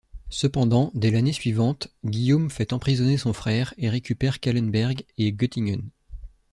Cependant, dès l'année suivante, Guillaume fait emprisonner son frère et récupère Calenberg et Göttingen.